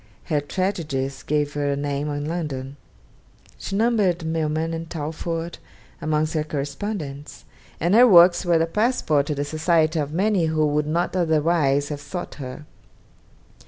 Her tragedies gave her a name in London. She numbered Milman and Talfourd amongst her correspondents; and her works were a passport to the society of many who would not otherwise have sought her.